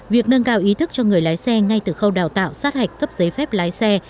việc nâng cao ý thức cho người lái xe ngay từ khâu đào tạo sát hạch cấp giấy phép lái xe